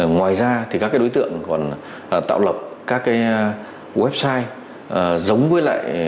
ngoài ra các đối tượng còn tạo lập các website